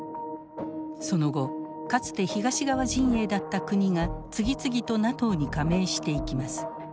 その後かつて東側陣営だった国が次々とＮＡＴＯに加盟していきます。